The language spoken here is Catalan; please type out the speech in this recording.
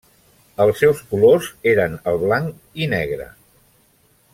Els seus colors eren el blanc i negre.